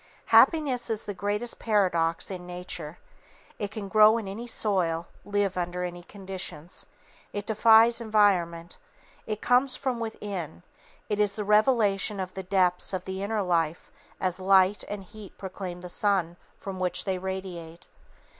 Happiness is the greatest paradox in Nature. It can grow in any soil, live under any conditions. It defies environment. It comes from within; it is the revelation of the depths of the inner life as light and heat proclaim the sun from which they radiate.